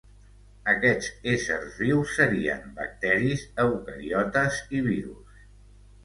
Aquests éssers vius serien bacteris, eucariotes i virus.